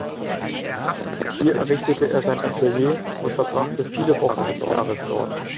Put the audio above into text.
Hier errichtete er sein Atelier und verbrachte viele Wochen des Jahres dort.